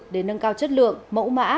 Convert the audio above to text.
để nâng cao chất lượng mẫu mã